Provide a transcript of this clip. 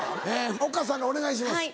丘さんお願いします。